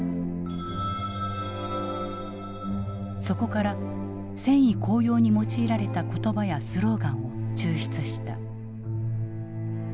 そこから戦意高揚に用いられた言葉やスローガンを抽出した。